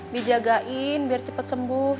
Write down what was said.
dijagain biar cepet sembuh